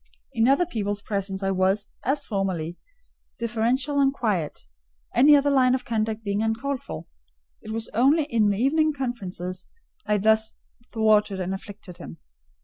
In other people's presence I was, as formerly, deferential and quiet; any other line of conduct being uncalled for: it was only in the evening conferences I thus thwarted and afflicted him.